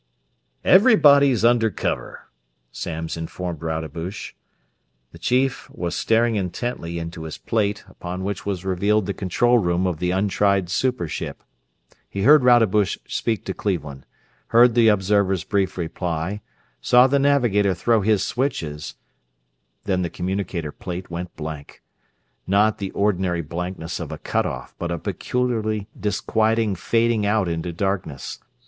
"Everybody is under cover." Samms informed Rodebush. The chief was staring intently into his plate, upon which was revealed the control room of the untried super ship. He heard Rodebush speak to Cleveland; heard the observer's brief reply; saw the navigator throw his switches then the communicator plate went blank. Not the ordinary blankness of a cut off, but a peculiarly disquieting fading out into darkness.